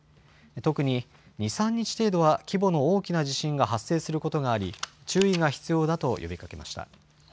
特に２、３日程度は規模の大きな地震が発生することがあり、注意が必要だと呼びかけました。